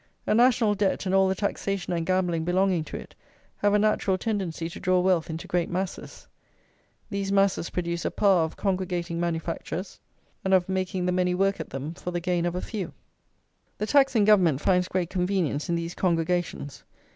A national debt and all the taxation and gambling belonging to it have a natural tendency to draw wealth into great masses. These masses produce a power of congregating manufactures, and of making the many work at them, for the gain of a few. The taxing Government finds great convenience in these congregations.